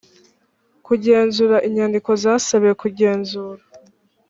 kugenzura inyandiko zasabiwe kugenzura